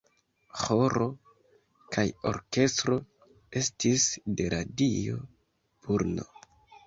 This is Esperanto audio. Ĥoro kaj orkestro estis de Radio Brno.